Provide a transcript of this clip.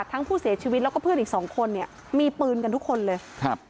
ทั้งผู้เสียชีวิตแล้วก็เพื่อนอีกสองคนเนี่ยมีปืนกันทุกคนเลยครับ